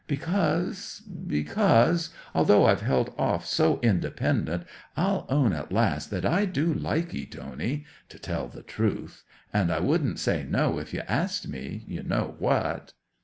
Because—because, although I've held off so independent, I'll own at last that I do like 'ee, Tony, to tell the truth; and I wouldn't say no if you asked me—you know what."